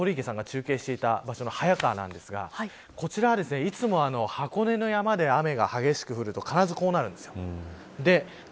これ今の箱根の先ほど堀池さんが中継してた場所の早川なんですがこちらは、いつも箱根の山で雨が激しく降ると必ずこうなるんです。